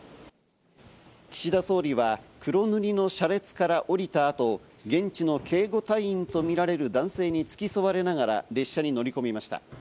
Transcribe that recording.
岸田総理は黒塗りの車列から降りた後、現地の警護隊員とみられる男性に付き添われながら、列車に乗り込みました。